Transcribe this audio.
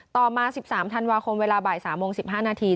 ต่อมา๑๓ธันวาคมเวลาบ่าย๓โมง๑๕นาที